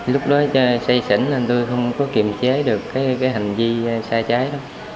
lúc đó xây xỉn tôi không kiềm chế được hành vi sai trái